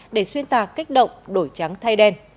để xuyên tạc kích động đổi trắng thay đen